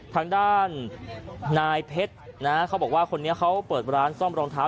ทางด้านนายเพชรนะเขาบอกว่าคนนี้เขาเปิดร้านซ่อมรองเท้า